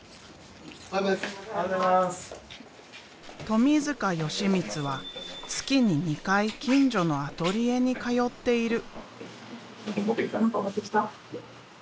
富純光は月に２回近所のアトリエに通っている。